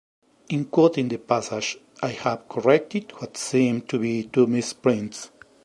In quoting the passage, I have corrected what seem to be two misprints.